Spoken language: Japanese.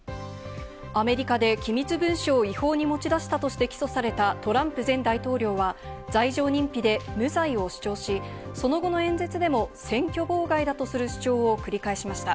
アメリカで機密文書を違法に持ち出したとして起訴されたトランプ前大統領は、罪状認否で無罪を主張し、その後の演説でも、選挙妨害だとする主張を繰り返しました。